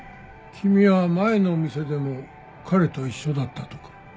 君は前の店でも彼と一緒だったとか。